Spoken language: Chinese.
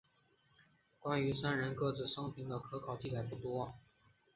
关于三人各自生平的可考记载不多。